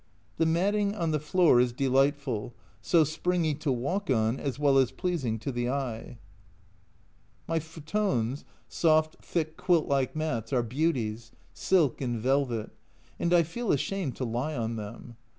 The matting on the floor is delightful, so springy to walk on as well as pleasing to the eye. 6 A Journal from Japan My futons (soft, thick quilt like mats) are beauties silk and velvet and I feel ashamed to lie on them.